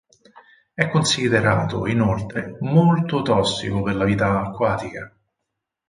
È considerato inoltre "molto tossico per la vita acquatica".